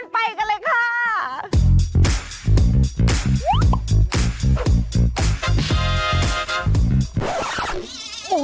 พร้อมครับคุณผู้ชม